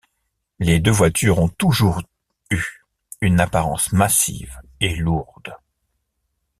Les deux voitures ont toujours eu une apparence massive et lourde.